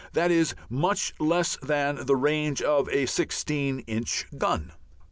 That is much less than the range of a sixteen inch gun.